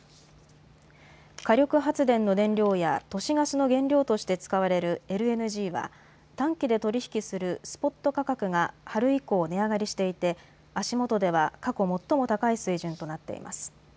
火力発電の燃料や都市ガスの原料として使われるＬＮＧは短期で取り引きするスポット価格が春以降、値上がりしていて足元では過去最も高い水準となっています。